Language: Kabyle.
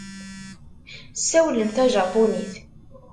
Ssawalen tajapunit.